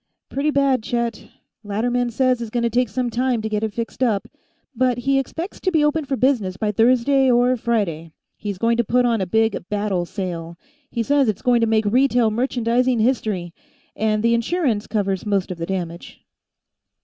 "Pretty bad, Chet. Latterman says it's going to take some time to get it fixed up, but he expects to be open for business by Thursday or Friday. He's going to put on a big Battle Sale; he says it's going to make retail merchandising history. And the insurance covers most of the damage."